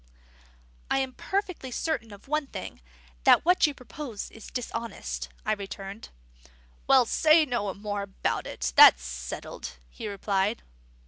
"I am perfectly certain of one thing: that what you propose is dishonest," I returned. "Well, say no more about it. That's settled," he replied.